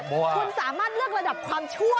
คุณสามารถเลือกระดับความชั่ว